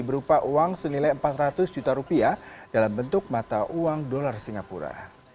berupa uang senilai empat ratus juta rupiah dalam bentuk mata uang dolar singapura